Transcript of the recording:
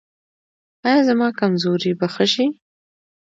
ایا زما کمزوري به ښه شي؟